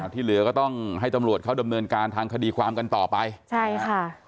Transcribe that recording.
ที่เหลือก็ต้องให้ตำรวจเขาดำเนินการทางคดีความกันต่อไปใช่ค่ะ